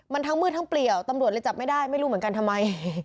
มันทั้งมืดทั้งเปลี่ยวตำรวจเลยจับไม่ได้ไม่รู้เหมือนกันทำไม